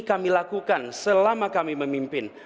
kami lakukan selama kami memimpin